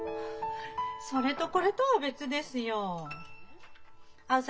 それとこれとは別ですよ。え？